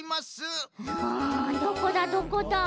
んどこだどこだ？